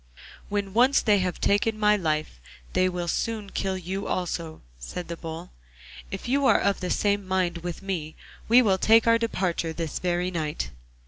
'When once they have taken my life they will soon kill you also,' said the Bull. 'If you are of the same mind with me, we will take our departure this very night.